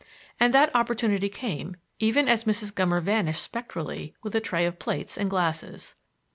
And that opportunity came, even as Mrs. Gummer vanished spectrally with a tray of plates and glasses.